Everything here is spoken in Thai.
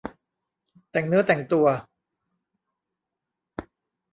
แต่งเนื้อแต่งตัว